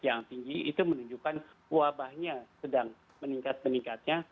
yang tinggi itu menunjukkan wabahnya sedang meningkat meningkatnya